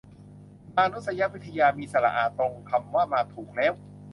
มานุษยวิทยา มีสระอาตรงคำว่ามาถูกแล้ว